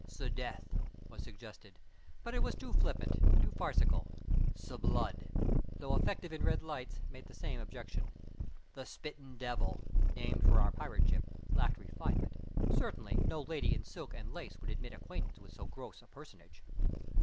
'S Death was suggested, but it was too flippant, too farcical. 'S Blood, although effective in red lights, met the same objection. The Spittin' Devil, named for our pirate ship, lacked refinement. Certainly no lady in silk and lace would admit acquaintance with so gross a personage.